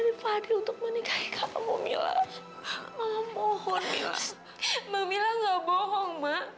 dari anak yang dikandung kami lah bukan